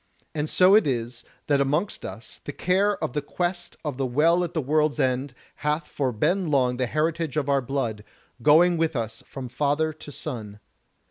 And so it is, that amongst us the care of the Quest of the Well at the World's End hath for long been the heritage of our blood, going with us from father to son.